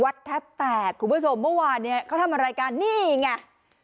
วัดแทบแตกคุณผู้ชมเมื่อวานเนี้ยเขาทำมารายการนี่ไง